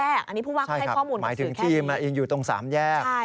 อันนี้ผู้ว่าให้ข้อมูลแบบสื่อแค่นี้ใช่ครับหมายถึงทีมนะยังอยู่ตรงสามแยก